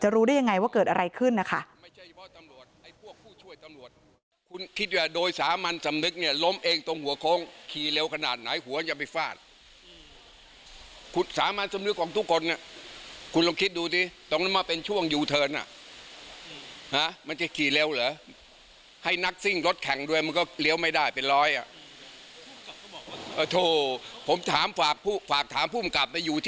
รู้ได้ยังไงว่าเกิดอะไรขึ้นนะคะ